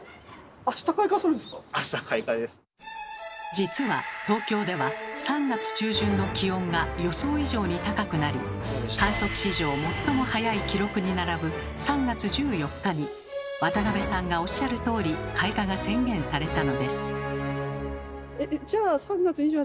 実は東京では３月中旬の気温が予想以上に高くなり観測史上最も早い記録に並ぶ３月１４日に渡邊さんがおっしゃるとおり開花が宣言されたのです。